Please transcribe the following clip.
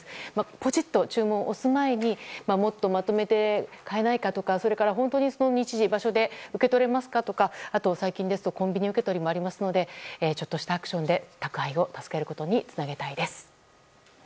ぽちっと注文を押す前にもっとまとめて買えないかとかそれから本当にその日時、場所で受け取れますかとかあと、最近ですとコンビニ受け取りもありますのでちょっとしたアクションで宅配を助けることにつなげたいです。